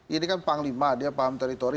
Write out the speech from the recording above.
ini kan panglima dia paham teritori